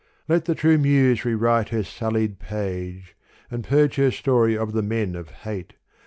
Let the true Muse rewrite her sullied page And purge her story of the men of hate.